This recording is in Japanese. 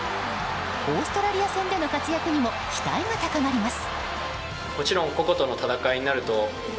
オーストラリア戦での活躍にも期待が高まります。